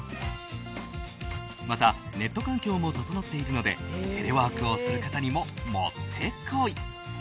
また、ネット環境も整っているのでテレワークをする方にももってこい。